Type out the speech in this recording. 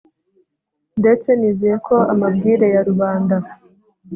ndetse nizeye ko amabwire ya rubanda